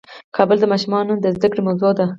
کابل د افغان ماشومانو د زده کړې موضوع ده.